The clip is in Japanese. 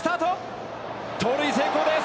盗塁成功です！